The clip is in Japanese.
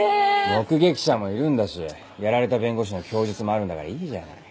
目撃者もいるんだしやられた弁護士の供述もあるんだからいいじゃない。